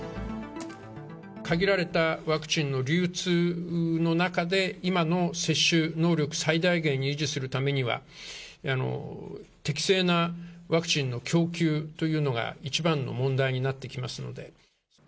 限られたワクチンの流通の中で、今の接種能力、最大限に維持するためには、適正なワクチンの供給というのが一番の問題になってきますので。